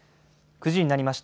９時になりました。